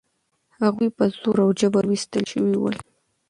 هغوی په زور او جبر ویستل شوي ول.